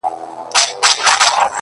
چي هغه ستا سيورى له مځكي ورك سو؛